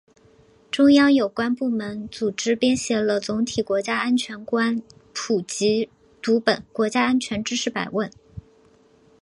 中央有关部门组织编写了总体国家安全观普及读本——《国家安全知识百问》